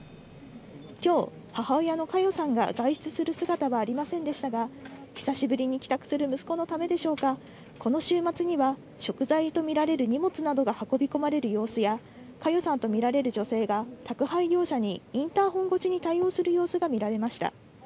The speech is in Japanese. きょう、母親の佳代さんが外出する姿はありませんでしたが、久しぶりに帰宅する息子のためでしょうか、この週末には、食材と見られる荷物などが運び込まれる様子や、佳代さんと見られる女性が、宅配業者にインターホン越しに対応する様子が見られました。